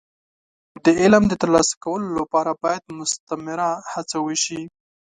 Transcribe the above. د علم د ترلاسه کولو لپاره باید مستمره هڅه وشي.